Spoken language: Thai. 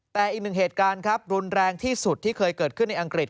แต่อีกหนึ่งเหตุการณ์ครับรุนแรงที่สุดที่เคยเกิดขึ้นในอังกฤษ